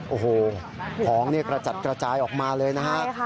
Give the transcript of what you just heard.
โอ้โหของกระจัดกระจายออกมาเลยนะครับ